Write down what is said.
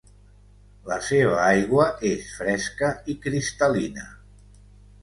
La seva aigua és fresca i cristal·lina.